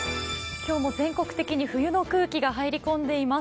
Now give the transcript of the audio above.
今日も全国的に冬の空気が入り込んでいます。